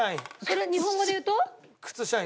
それ日本語で言うと？